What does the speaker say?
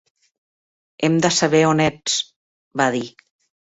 "Hem de saber on ets", va dir.